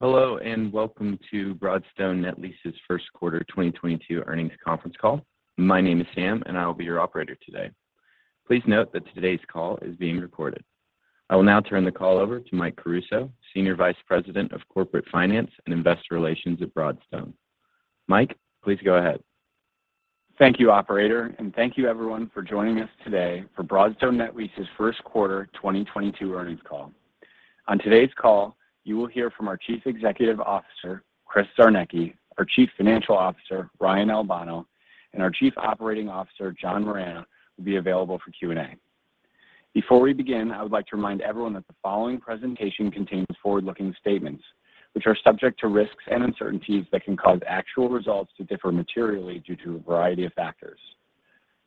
Hello, and welcome to Broadstone Net Lease's first quarter 2022 earnings conference call. My name is Sam, and I will be your operator today. Please note that today's call is being recorded. I will now turn the call over to Michael Caruso, Senior Vice President of Corporate Finance and Investor Relations at Broadstone. Mike, please go ahead. Thank you, operator, and thank you everyone for joining us today for Broadstone Net Lease's first quarter 2022 earnings call. On today's call, you will hear from our Chief Executive Officer, Chris Czarnecki, our Chief Financial Officer, Ryan Albano, and our Chief Operating Officer, John Moragne, will be available for Q&A. Before we begin, I would like to remind everyone that the following presentation contains forward-looking statements, which are subject to risks and uncertainties that can cause actual results to differ materially due to a variety of factors.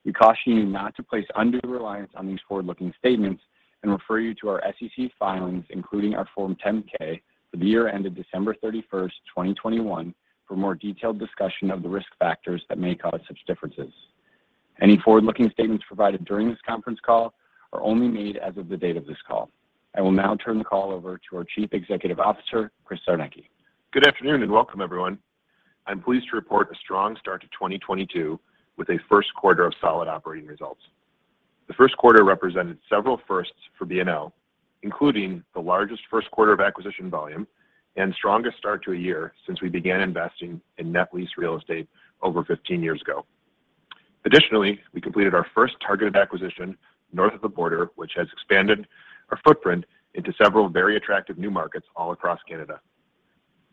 We caution you not to place undue reliance on these forward-looking statements and refer you to our SEC filings, including our Form 10-K for the year ended December 31, 2021 for more detailed discussion of the risk factors that may cause such differences. Any forward-looking statements provided during this conference call are only made as of the date of this call. I will now turn the call over to our Chief Executive Officer, Chris Czarnecki. Good afternoon, and welcome everyone. I'm pleased to report a strong start to 2022 with a first quarter of solid operating results. The first quarter represented several firsts for BNL, including the largest first quarter of acquisition volume and strongest start to a year since we began investing in net lease real estate over 15 years ago. Additionally, we completed our first targeted acquisition north of the border, which has expanded our footprint into several very attractive new markets all across Canada.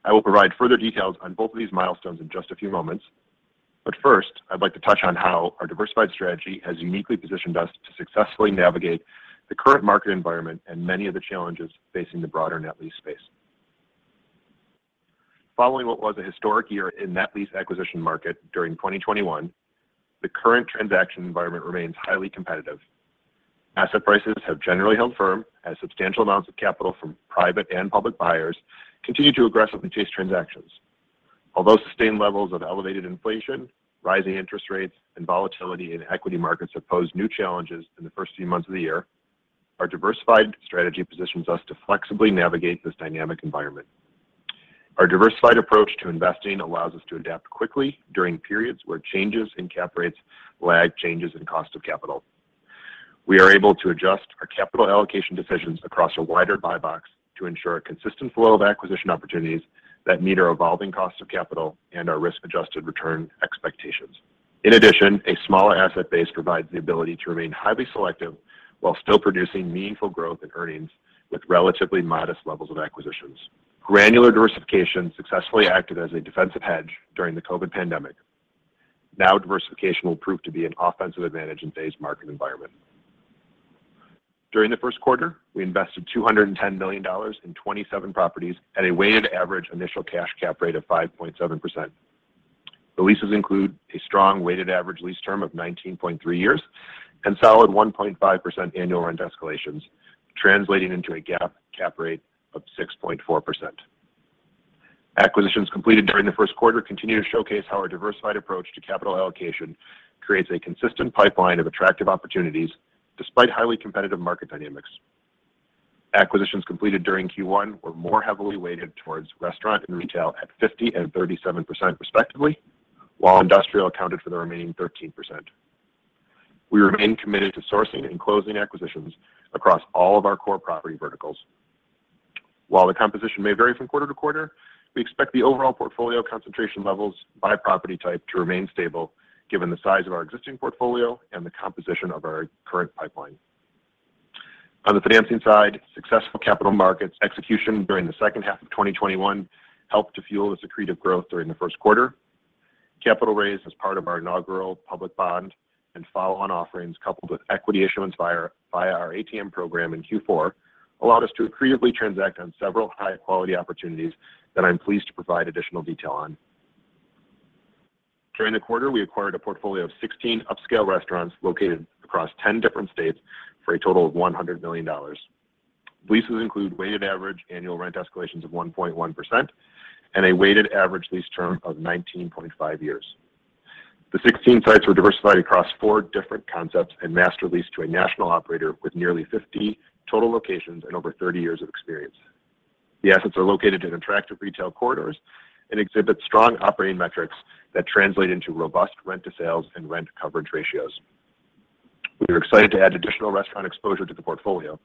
I will provide further details on both of these milestones in just a few moments. First, I'd like to touch on how our diversified strategy has uniquely positioned us to successfully navigate the current market environment and many of the challenges facing the broader net lease space. Following what was a historic year in net lease acquisition market during 2021, the current transaction environment remains highly competitive. Asset prices have generally held firm as substantial amounts of capital from private and public buyers continue to aggressively chase transactions. Although sustained levels of elevated inflation, rising interest rates, and volatility in equity markets have posed new challenges in the first few months of the year, our diversified strategy positions us to flexibly navigate this dynamic environment. Our diversified approach to investing allows us to adapt quickly during periods where changes in cap rates lag changes in cost of capital. We are able to adjust our capital allocation decisions across a wider buy box to ensure a consistent flow of acquisition opportunities that meet our evolving cost of capital and our risk-adjusted return expectations. In addition, a smaller asset base provides the ability to remain highly selective while still producing meaningful growth in earnings with relatively modest levels of acquisitions. Granular diversification successfully acted as a defensive hedge during the COVID pandemic. Now diversification will prove to be an offensive advantage in today's market environment. During the first quarter, we invested $210 million in 27 properties at a weighted average initial cash cap rate of 5.7%. The leases include a strong weighted average lease term of 19.3 years and solid 1.5% annual rent escalations, translating into a GAAP cap rate of 6.4%. Acquisitions completed during the first quarter continue to showcase how our diversified approach to capital allocation creates a consistent pipeline of attractive opportunities despite highly competitive market dynamics. Acquisitions completed during Q1 were more heavily weighted towards restaurant and retail at 50% and 37% respectively, while industrial accounted for the remaining 13%. We remain committed to sourcing and closing acquisitions across all of our core property verticals. While the composition may vary from quarter to quarter, we expect the overall portfolio concentration levels by property type to remain stable given the size of our existing portfolio and the composition of our current pipeline. On the financing side, successful capital markets execution during the second half of 2021 helped to fuel this accretive growth during the first quarter. Capital raised as part of our inaugural public bond and follow-on offerings coupled with equity issuance via our ATM program in Q4 allowed us to accretively transact on several high-quality opportunities that I'm pleased to provide additional detail on. During the quarter, we acquired a portfolio of 16 upscale restaurants located across 10 different states for a total of $100 million. Leases include weighted average annual rent escalations of 1.1% and a weighted average lease term of 19.5 years. The 16 sites were diversified across four different concepts and master leased to a national operator with nearly 50 total locations and over 30 years of experience. The assets are located in attractive retail corridors and exhibit strong operating metrics that translate into robust rent to sales and rent coverage ratios. We are excited to add additional restaurant exposure to the portfolio.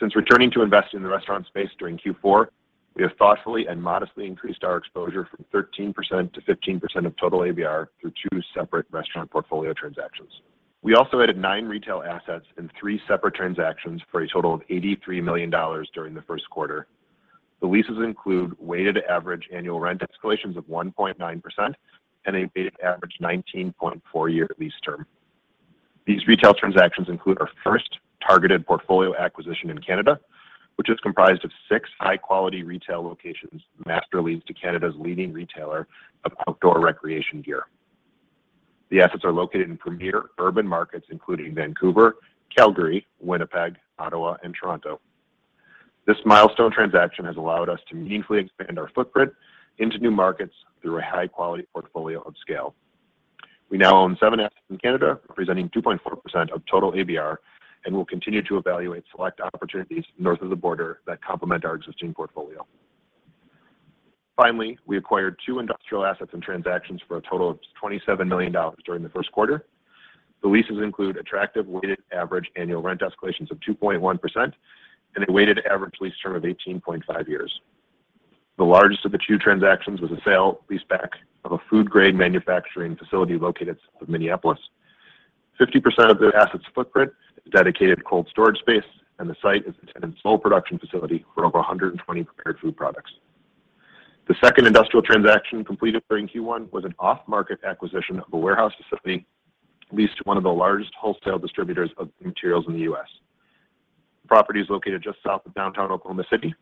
Since returning to invest in the restaurant space during Q4, we have thoughtfully and modestly increased our exposure from 13%-15% of total ABR through two separate restaurant portfolio transactions. We also added nine retail assets in 3 separate transactions for a total of $83 million during the first quarter. The leases include weighted average annual rent escalations of 1.9% and a weighted average 19.4-year lease term. These retail transactions include our first targeted portfolio acquisition in Canada, which is comprised of six high-quality retail locations master leased to Canada's leading retailer of outdoor recreation gear. The assets are located in premier urban markets including Vancouver, Calgary, Winnipeg, Ottawa, and Toronto. This milestone transaction has allowed us to meaningfully expand our footprint into new markets through a high-quality portfolio of scale. We now own seven assets in Canada, representing 2.4% of total ABR, and will continue to evaluate select opportunities north of the border that complement our existing portfolio. Finally, we acquired two industrial assets in transactions for a total of $27 million during the first quarter. The leases include attractive weighted average annual rent escalations of 2.1% and a weighted average lease term of 18.5 years. The largest of the two transactions was a sale leaseback of a food grade manufacturing facility located south of Minneapolis. 50% of the asset's footprint is dedicated cold storage space, and the site is the intended sole production facility for over 120 prepared food products. The second industrial transaction completed during Q1 was an off-market acquisition of a warehouse facility leased to one of the largest wholesale distributors of materials in the U.S. The property is located just south of downtown Oklahoma City.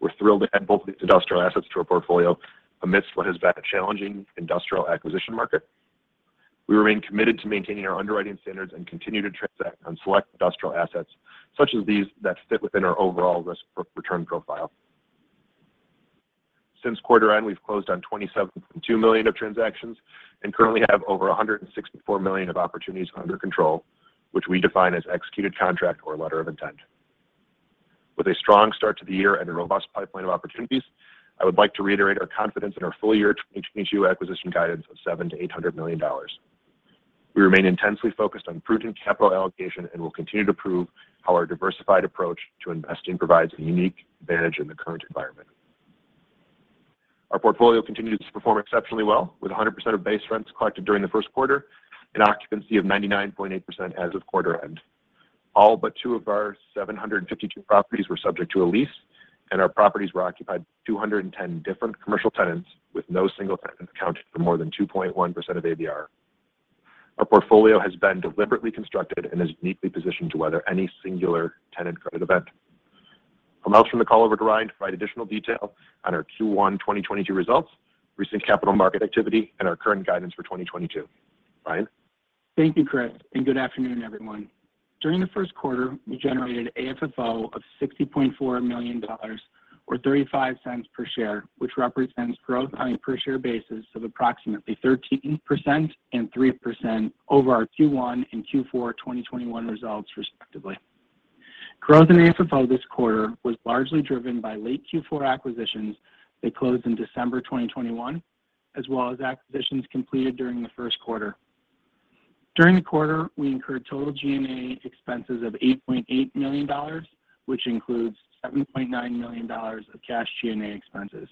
We're thrilled to add both of these industrial assets to our portfolio amidst what has been a challenging industrial acquisition market. We remain committed to maintaining our underwriting standards and continue to transact on select industrial assets such as these that fit within our overall risk return profile. Since quarter end, we've closed on $27.2 million of transactions and currently have over $164 million of opportunities under control, which we define as executed contract or letter of intent. With a strong start to the year and a robust pipeline of opportunities, I would like to reiterate our confidence in our full year 2022 acquisition guidance of $700 million-$800 million. We remain intensely focused on prudent capital allocation and will continue to prove how our diversified approach to investing provides a unique advantage in the current environment. Our portfolio continued to perform exceptionally well with 100% of base rents collected during the first quarter and occupancy of 99.8% as of quarter end. All but two of our 752 properties were subject to a lease, and our properties were occupied by 210 different commercial tenants, with no single tenant accounting for more than 2.1% of ABR. Our portfolio has been deliberately constructed and is uniquely positioned to weather any singular tenant credit event. I'll now turn the call over to Ryan to provide additional detail on our Q1 2022 results, recent capital market activity, and our current guidance for 2022. Ryan. Thank you, Chris, and good afternoon, everyone. During the first quarter, we generated AFFO of $60.4 million or $0.35 per share, which represents growth on a per share basis of approximately 13% and 3% over our Q1 and Q4 2021 results respectively. Growth in AFFO this quarter was largely driven by late Q4 acquisitions that closed in December 2021, as well as acquisitions completed during the first quarter. During the quarter, we incurred total G&A expenses of $8.8 million, which includes $7.9 million of cash G&A expenses.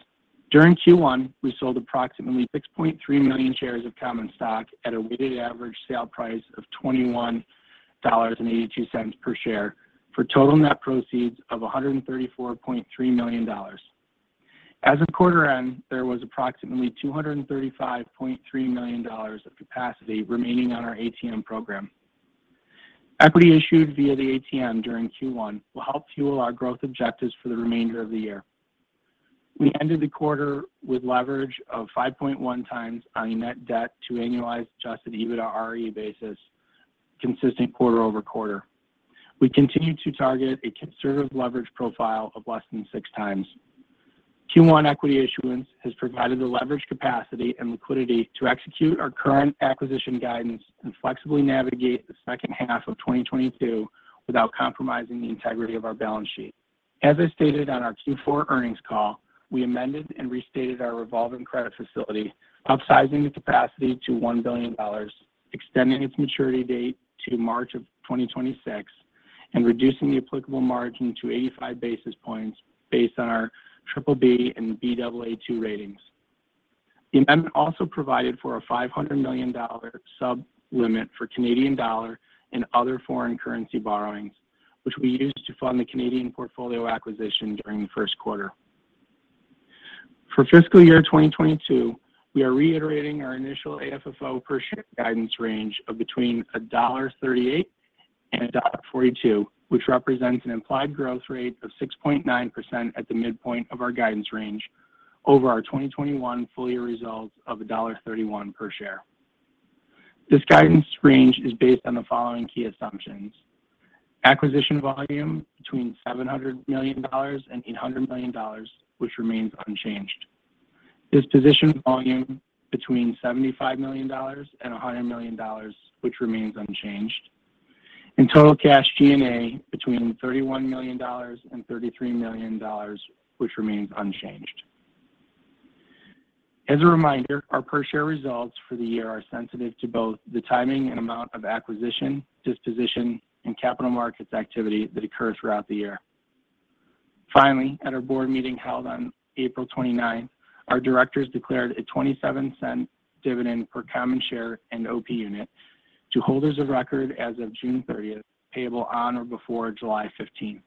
During Q1, we sold approximately 6.3 million shares of common stock at a weighted average sale price of $21.82 per share for total net proceeds of $134.3 million. As of quarter end, there was approximately $235.3 million of capacity remaining on our ATM program. Equity issued via the ATM during Q1 will help fuel our growth objectives for the remainder of the year. We ended the quarter with leverage of 5.1x on a net debt to annualized adjusted EBITDAre basis, consistent quarter-over-quarter. We continue to target a conservative leverage profile of less than 6x. Q1 equity issuance has provided the leverage capacity and liquidity to execute our current acquisition guidance and flexibly navigate the second half of 2022 without compromising the integrity of our balance sheet. As I stated on our Q4 earnings call, we amended and restated our revolving credit facility, upsizing the capacity to $1 billion, extending its maturity date to March of 2026, and reducing the applicable margin to 85 basis points based on our BBB and Baa2 ratings. The amendment also provided for a $500 million sub limit for Canadian dollar and other foreign currency borrowings, which we used to fund the Canadian portfolio acquisition during the first quarter. For fiscal year 2022, we are reiterating our initial AFFO per share guidance range of between $1.38 and $1.42, which represents an implied growth rate of 6.9% at the midpoint of our guidance range over our 2021 full year results of $1.31 per share. This guidance range is based on the following key assumptions. Acquisition volume between $700 million and $800 million, which remains unchanged. Disposition volume between $75 million and $100 million, which remains unchanged. Total cash G&A between $31 million and $33 million, which remains unchanged. As a reminder, our per share results for the year are sensitive to both the timing and amount of acquisition, disposition, and capital markets activity that occurs throughout the year. Finally, at our board meeting held on April 29th, our directors declared a $0.27 dividend per common share and OP unit to holders of record as of June 30th, payable on or before July 15th.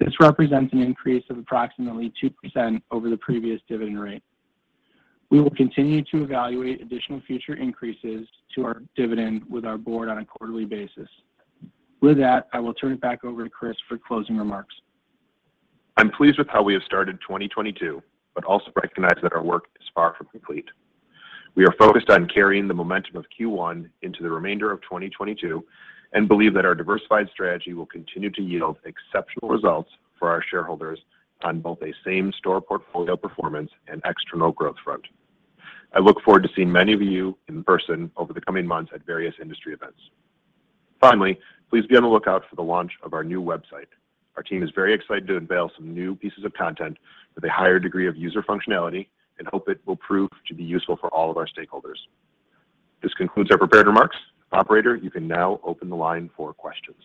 This represents an increase of approximately 2% over the previous dividend rate. We will continue to evaluate additional future increases to our dividend with our board on a quarterly basis. With that, I will turn it back over to Chris for closing remarks. I'm pleased with how we have started 2022, but also recognize that our work is far from complete. We are focused on carrying the momentum of Q1 into the remainder of 2022 and believe that our diversified strategy will continue to yield exceptional results for our shareholders on both a same-store portfolio performance and external growth front. I look forward to seeing many of you in person over the coming months at various industry events. Finally, please be on the lookout for the launch of our new website. Our team is very excited to unveil some new pieces of content with a higher degree of user functionality and hope it will prove to be useful for all of our stakeholders. This concludes our prepared remarks. Operator, you can now open the line for questions.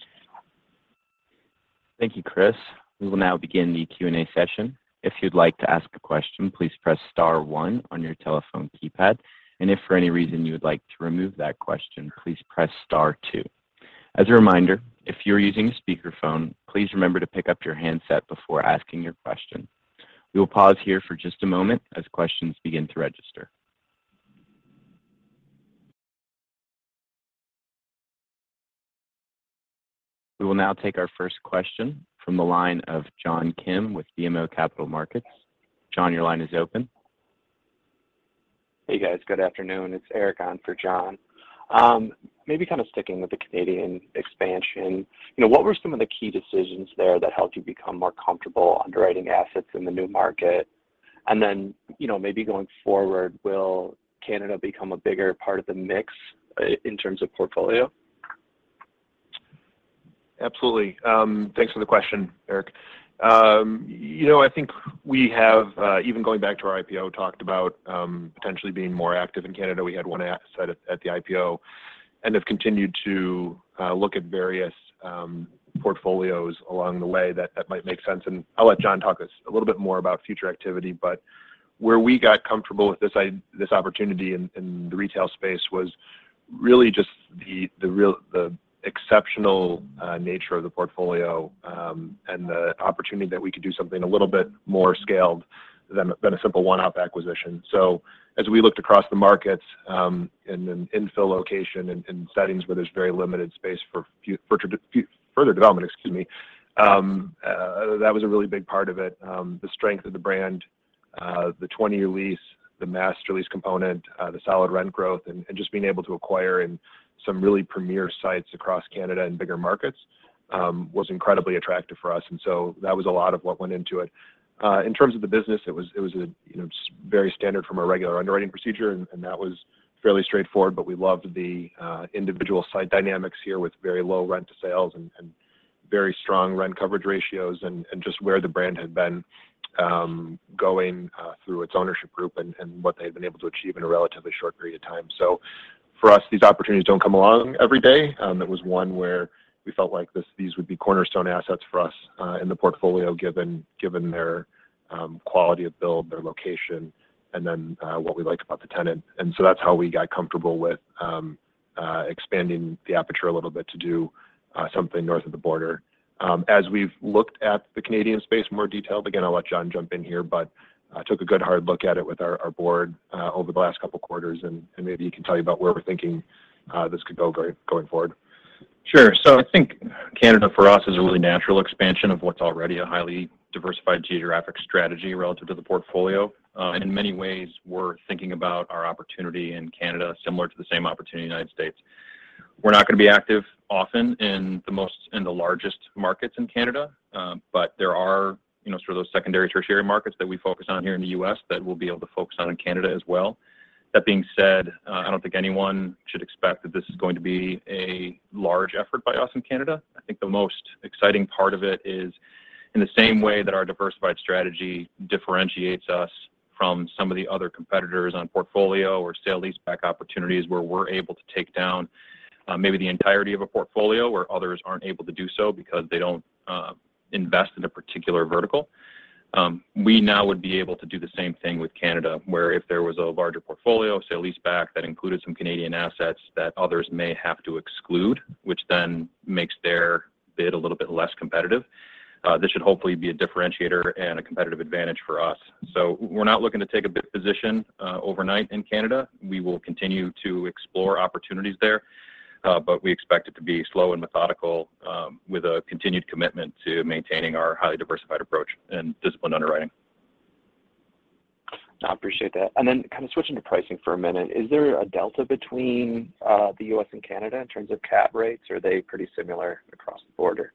Thank you, Chris. We will now begin the Q&A session. If you'd like to ask a question, please press star one on your telephone keypad. If for any reason you would like to remove that question, please press star two. As a reminder, if you're using a speakerphone, please remember to pick up your handset before asking your question. We will pause here for just a moment as questions begin to register. We will now take our first question from the line of John Kim with BMO Capital Markets. John, your line is open. Hey, guys. Good afternoon. It's Eric on for John. Maybe kind of sticking with the Canadian expansion, you know, what were some of the key decisions there that helped you become more comfortable underwriting assets in the new market? And then, you know, maybe going forward, will Canada become a bigger part of the mix in terms of portfolio? Absolutely. Thanks for the question, Eric. You know, I think we have even going back to our IPO, talked about potentially being more active in Canada. We had one asset at the IPO and have continued to look at various portfolios along the way that might make sense. I'll let John talk a little bit more about future activity. Where we got comfortable with this opportunity in the retail space was really just the exceptional nature of the portfolio and the opportunity that we could do something a little bit more scaled than a simple one-off acquisition. As we looked across the markets, in an infill location in settings where there's very limited space for further development, that was a really big part of it. The strength of the brand, the 20-year lease, the master lease component, the solid rent growth, and just being able to acquire in some really premier sites across Canada and bigger markets, was incredibly attractive for us. That was a lot of what went into it. In terms of the business, it was a very standard from a regular underwriting procedure, and that was fairly straightforward. We loved the individual site dynamics here with very low rent to sales and very strong rent coverage ratios and just where the brand had been going through its ownership group and what they've been able to achieve in a relatively short period of time. For us, these opportunities don't come along every day. It was one where we felt like these would be cornerstone assets for us in the portfolio, given their quality of build, their location, and then what we liked about the tenant. That's how we got comfortable with expanding the aperture a little bit to do something north of the border. As we've looked at the Canadian space in more detail, again, I'll let John jump in here, but took a good hard look at it with our board over the last couple quarters, and maybe he can tell you about where we're thinking this could go going forward. Sure. I think Canada for us is a really natural expansion of what's already a highly diversified geographic strategy relative to the portfolio. In many ways, we're thinking about our opportunity in Canada similar to the same opportunity in the United States. We're not gonna be active often in the most and the largest markets in Canada. There are, you know, sort of those secondary, tertiary markets that we focus on here in the US that we'll be able to focus on in Canada as well. That being said, I don't think anyone should expect that this is going to be a large effort by us in Canada. I think the most exciting part of it is in the same way that our diversified strategy differentiates us from some of the other competitors on portfolio or sale leaseback opportunities, where we're able to take down, maybe the entirety of a portfolio where others aren't able to do so because they don't invest in a particular vertical. We now would be able to do the same thing with Canada, where if there was a larger portfolio of sale leaseback that included some Canadian assets that others may have to exclude, which then makes their bid a little bit less competitive. This should hopefully be a differentiator and a competitive advantage for us. We're not looking to take a big position overnight in Canada. We will continue to explore opportunities there, but we expect it to be slow and methodical, with a continued commitment to maintaining our highly diversified approach and disciplined underwriting. No, I appreciate that. Kind of switching to pricing for a minute, is there a delta between, the U.S. and Canada in terms of cap rates, or are they pretty similar across the border?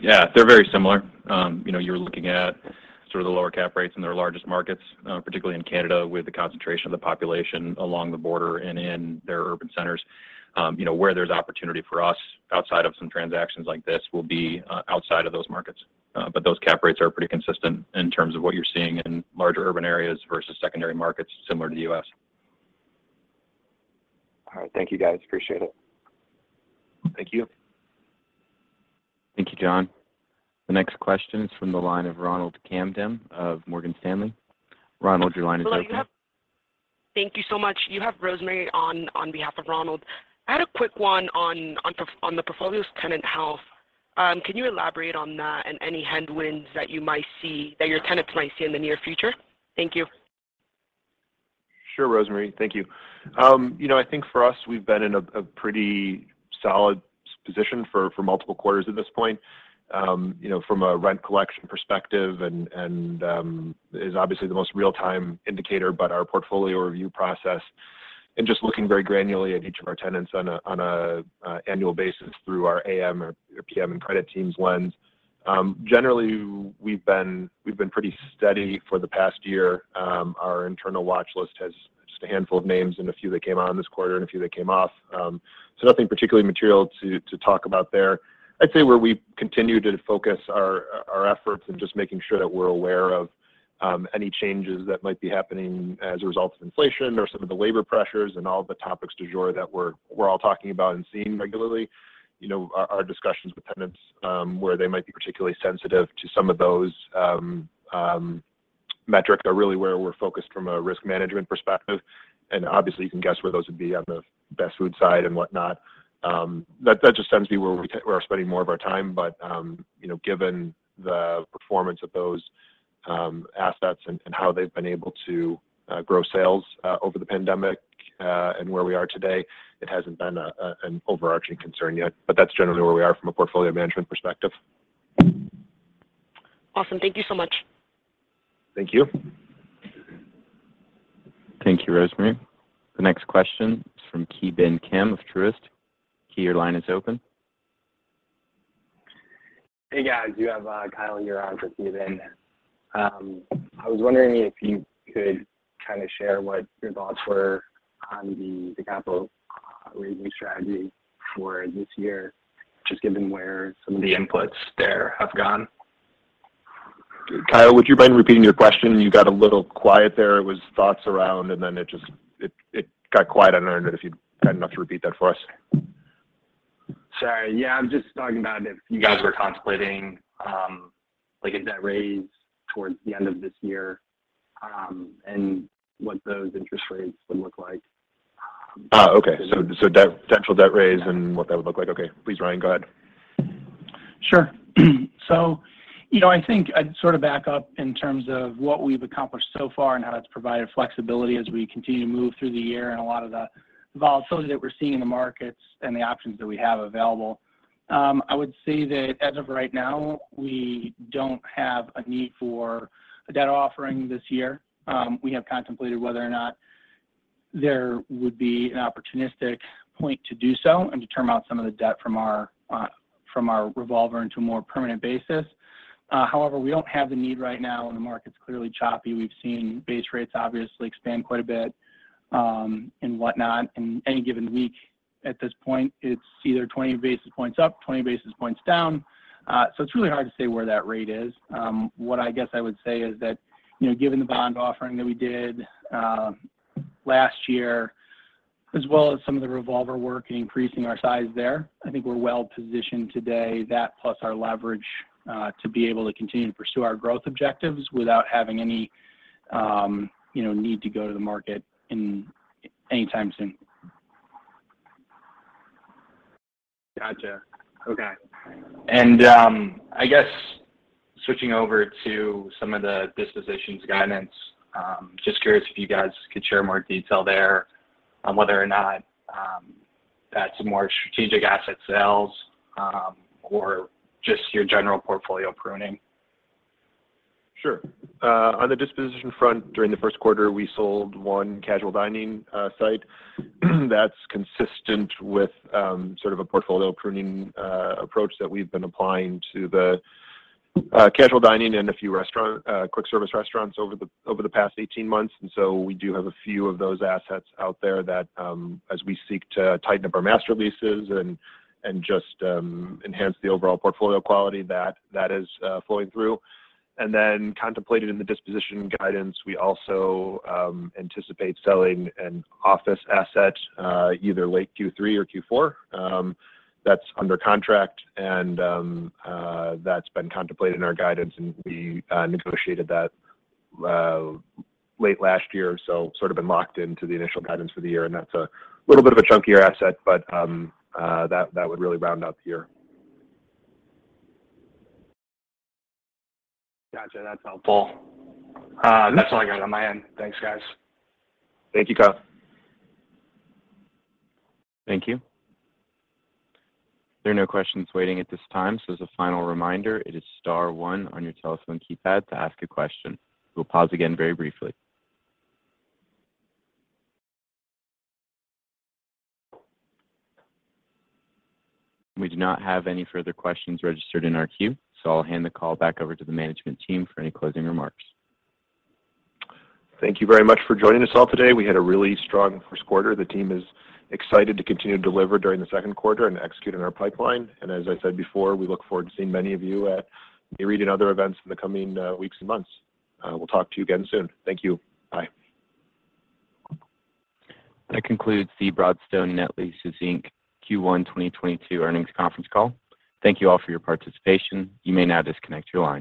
Yeah, they're very similar. You know, you're looking at sort of the lower cap rates in their largest markets, particularly in Canada with the concentration of the population along the border and in their urban centers. You know, where there's opportunity for us outside of some transactions like this will be outside of those markets. But those cap rates are pretty consistent in terms of what you're seeing in larger urban areas versus secondary markets similar to the U.S. All right. Thank you guys. Appreciate it. Thank you. Thank you, John. The next question is from the line of Ronald Kamdem of Morgan Stanley. Ronald, your line is open. Hello. Thank you so much. You have Rosemary on behalf of Ronald Kamdem. I had a quick one on the portfolio's tenant health. Can you elaborate on that and any headwinds that your tenants might see in the near future? Thank you. Sure, Rosemary. Thank you. You know, I think for us, we've been in a pretty solid position for multiple quarters at this point. You know, from a rent collection perspective and is obviously the most real-time indicator. Our portfolio review process and just looking very granularly at each of our tenants on an annual basis through our AM or PM and credit team's lens. Generally, we've been pretty steady for the past year. Our internal watchlist has just a handful of names and a few that came on this quarter and a few that came off. Nothing particularly material to talk about there. I'd say where we continue to focus our efforts in just making sure that we're aware of any changes that might be happening as a result of inflation or some of the labor pressures and all the topics du jour that we're all talking about and seeing regularly. You know, our discussions with tenants where they might be particularly sensitive to some of those metrics are really where we're focused from a risk management perspective. Obviously, you can guess where those would be on the best food side and whatnot. That just tends to be where we're spending more of our time, but you know, given the performance of those assets and how they've been able to grow sales over the pandemic and where we are today, it hasn't been an overarching concern yet. That's generally where we are from a portfolio management perspective. Awesome. Thank you so much. Thank you. Thank you, Rosemary. The next question is from Ki Bin Kim of Truist. Ki, your line is open. Hey, guys. You have Kyle on for Ki Bin. I was wondering if you could kinda share what your thoughts were on the capital raising strategy for this year, just given where some of the inputs there have gone. Kyle, would you mind repeating your question? You got a little quiet there. It was thoughts around, and then it just. It got quiet on there, and if you'd be kind enough to repeat that for us. Sorry. Yeah. I'm just talking about if you guys were contemplating, like a debt raise towards the end of this year, and what those interest rates would look like. Okay. Debt, potential debt raise and what that would look like. Okay. Please, Ryan, go ahead. Sure. You know, I think I'd sort of back up in terms of what we've accomplished so far and how that's provided flexibility as we continue to move through the year and a lot of the volatility that we're seeing in the markets and the options that we have available. I would say that as of right now, we don't have a need for a debt offering this year. We have contemplated whether or not there would be an opportunistic point to do so and to term out some of the debt from our from our revolver into a more permanent basis. However, we don't have the need right now, and the market's clearly choppy. We've seen base rates obviously expand quite a bit, and whatnot. In any given week at this point, it's either 20 basis points up, 20 basis points down. It's really hard to say where that rate is. What I guess I would say is that, you know, given the bond offering that we did last year, as well as some of the revolver work and increasing our size there, I think we're well positioned today, that plus our leverage, to be able to continue to pursue our growth objectives without having any, you know, need to go to the market anytime soon. Gotcha. Okay. I guess switching over to some of the dispositions guidance, just curious if you guys could share more detail there on whether or not that's more strategic asset sales, or just your general portfolio pruning. On the disposition front, during the first quarter, we sold one casual dining site. That's consistent with sort of a portfolio pruning approach that we've been applying to the casual dining and a few quick service restaurants over the past 18 months. We do have a few of those assets out there that, as we seek to tighten up our master leases and just enhance the overall portfolio quality that is flowing through. Contemplated in the disposition guidance, we also anticipate selling an office asset either late Q3 or Q4 that's under contract. That's been contemplated in our guidance, and we negotiated that late last year. Sort of been locked into the initial guidance for the year, and that's a little bit of a chunkier asset. That would really round up the year. Gotcha. That's helpful. That's all I got on my end. Thanks, guys. Thank you, Kyle. Thank you. There are no questions waiting at this time, so as a final reminder, it is star one on your telephone keypad to ask a question. We'll pause again very briefly. We do not have any further questions registered in our queue, so I'll hand the call back over to the management team for any closing remarks. Thank you very much for joining us all today. We had a really strong first quarter. The team is excited to continue to deliver during the second quarter and execute on our pipeline. As I said before, we look forward to seeing many of you at myriad other events in the coming weeks and months. We'll talk to you again soon. Thank you. Bye. That concludes the Broadstone Net Lease, Inc. Q1 2022 earnings conference call. Thank you all for your participation. You may now disconnect your line.